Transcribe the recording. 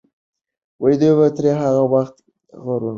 دوی به تر هغه وخته غرونه ټول پلورلي وي.